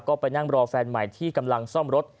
ก็ไปนั่งรอแฟนใหม่ที่กำลังซ่อมรถ